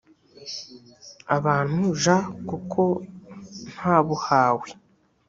bantu j kuko ntabuhawe